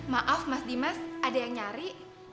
maaf mas dimas ada yang nyari